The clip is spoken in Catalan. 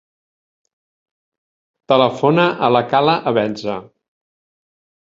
Telefona a la Kala Abenza.